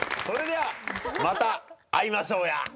それではまた会いましょうや。